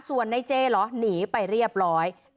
ส่วนในเจเหรอหนีไปเรียบร้อย